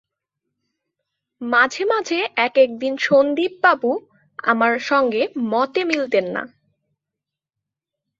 মাঝে মাঝে এক-এক দিন সন্দীপবাবু আমার সঙ্গে মতে মিলতেন না।